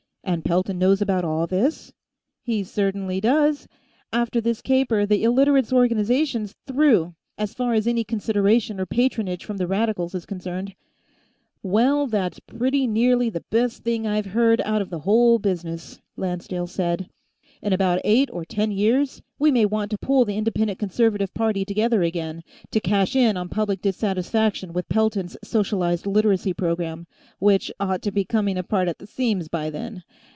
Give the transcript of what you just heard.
"And Pelton knows about all this?" "He certainly does! After this caper, the Illiterates' Organization's through, as far as any consideration or patronage from the Radicals is concerned." "Well, that's pretty nearly the best thing I've heard out of the whole business," Lancedale said. "In about eight or ten years, we may want to pull the Independent Conservative party together again, to cash in on public dissatisfaction with Pelton's socialized Literacy program, which ought to be coming apart at the seams by then.